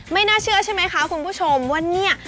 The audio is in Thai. ไม่น่าเชื่อใช่ไหมคะคุณผู้ชมว่าเนี่ย